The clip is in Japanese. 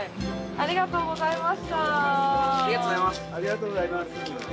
ありがとうございます。